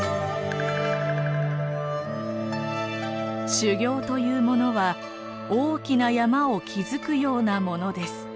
「修行というものは大きな山を築くようなものです」。